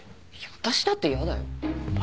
私だって嫌だよ。